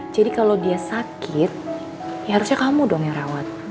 jadi kalau dia sakit ya harusnya kamu dong yang rawat